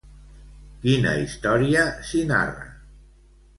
Quina història s'hi narra?